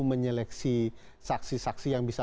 menyeleksi saksi saksi yang bisa